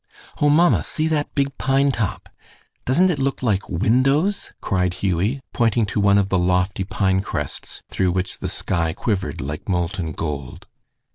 "Oh, mamma, see that big pine top! Doesn't it look like windows?" cried Hughie, pointing to one of the lofty pine crests through which the sky quivered like molten gold.